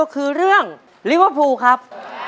นะก็คือเรื่องริเวิร์ฟพูครับ